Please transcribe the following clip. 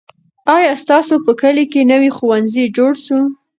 آیا ستاسو په کلي کې نوی ښوونځی جوړ سو؟